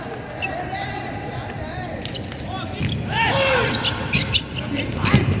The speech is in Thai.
สุภาธาใดเต็มแก่หมายเลข๓๕รักษีบันแจกเงินภูมิ